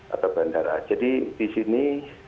atau bandara jadi disini